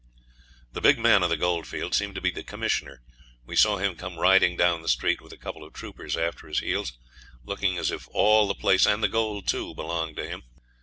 The big man of the goldfield seemed to be the Commissioner. We saw him come riding down the street with a couple of troopers after his heels, looking as if all the place, and the gold too, belonged to him.